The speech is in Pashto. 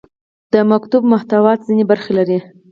د مکتوب محتویات ځینې برخې لري.